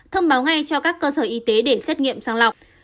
thông báo ngay cho các cơ sở y tế để xét nghiệm sang lọc